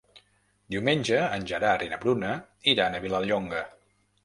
Diumenge en Gerard i na Bruna iran a Vilallonga.